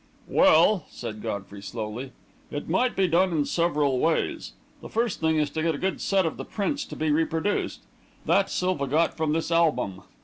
"Well," said Godfrey, slowly, "it might be done in several ways. The first thing is to get a good set of the prints to be reproduced. That Silva got from this album.